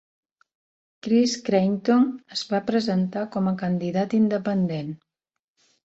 Chris Creighton es va presentar com a candidat independent.